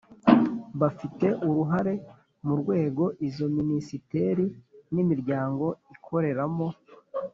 bafite uruhare mu rwego izo minisiteri n' imiryango ikoreramo.